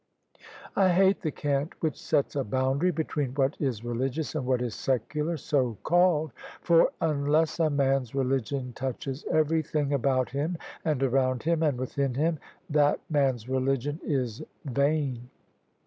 I hate the cant which sets a boundary between what is reli gious and what is secular, so called: for unless a man's religion touches everything about him and around him and within him, that man's religion is vain."